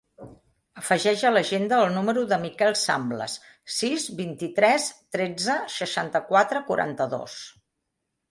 Afegeix a l'agenda el número del Miquel Samblas: sis, vint-i-tres, tretze, seixanta-quatre, quaranta-dos.